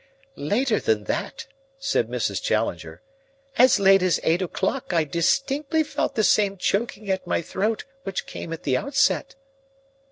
"Later than that," said Mrs. Challenger. "As late as eight o'clock I distinctly felt the same choking at my throat which came at the outset."